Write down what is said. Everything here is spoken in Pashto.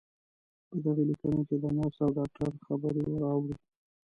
په دغې ليکنې کې د نرس او ډاکټر خبرې راوړې.